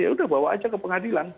ya sudah bawa saja ke pengadilan